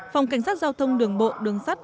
phòng cảnh sát giao thông đường bộ đường sắt